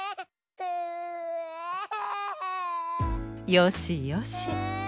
「よしよし」。